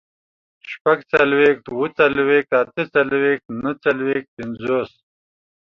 شپږڅلوېښت، اووه څلوېښت، اته څلوېښت، نهه څلوېښت، پينځوس